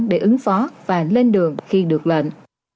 để ứng phó và lên đường khi được lệnh